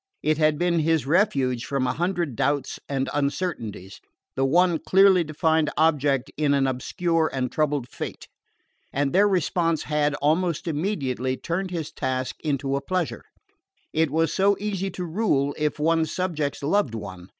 It had been his refuge from a hundred doubts and uncertainties, the one clearly defined object in an obscure and troubled fate. And their response had, almost immediately, turned his task into a pleasure. It was so easy to rule if one's subjects loved one!